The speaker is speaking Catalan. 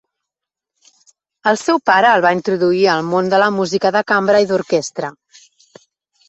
El seu pare el va introduir al món de la música de cambra i d'orquestra.